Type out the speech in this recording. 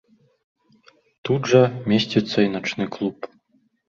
Тут жа месціцца і начны клуб.